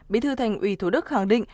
bí thư thành ủy thủ đức khẳng định